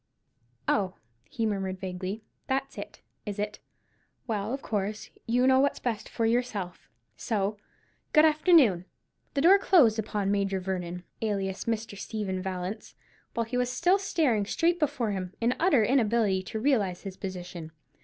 "Oh," he murmured, vaguely, "that's it, is it? Well, of course, you know what's best for yourself—so, good afternoon!" The door closed upon Major Vernon, alias Mr. Stephen Vallance, while he was still staring straight before him, in utter inability to realize his position.